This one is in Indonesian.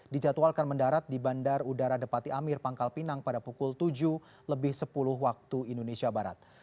dijadwalkan mendarat di bandar udara depati amir pangkal pinang pada pukul tujuh lebih sepuluh waktu indonesia barat